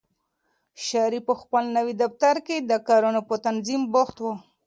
شریف په خپل نوي دفتر کې د کارونو په تنظیم بوخت و.